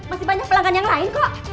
masih banyak pelanggan yang lain kok